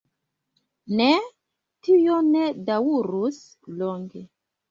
Ne, tio ne daŭrus longe.